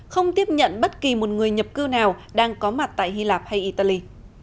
không tiếp nhận bất kỳ một người nhập cư nào đang có mặt tại hy lạp hay italy